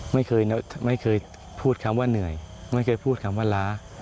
ไม่เคยไม่เคยพูดคำว่าเหนื่อยไม่เคยพูดคำว่าล้า